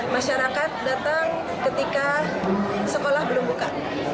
masyarakat datang ketika sekolah belum buka